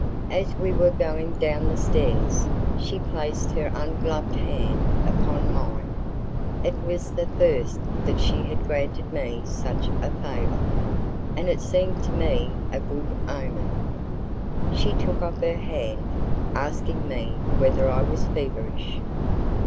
As we were going down the stairs, she placed her ungloved hand upon mine. It was the first time that she had granted me such a favour, and it seemed to me a good omen. She took off her hand, asking me whether I was feverish.